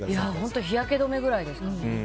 日焼け止めぐらいですかね。